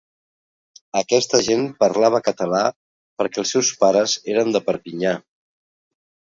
Aquesta gent parlava català perquè els seus pares eren de Perpinyà!